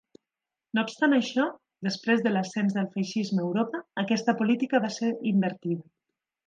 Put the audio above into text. No obstant això, després de l'ascens del Feixisme a Europa, aquesta política va ser invertida.